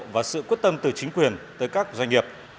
và sự quyết tâm từ chính quyền tới các doanh nghiệp